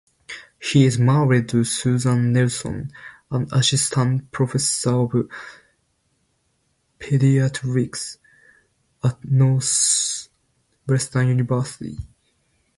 He is married to Suzanne Nelson, an assistant professor of pediatrics at Northwestern University.